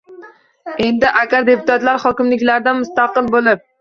Endi agar deputatlar hokimlikdan mustaqil bo‘lib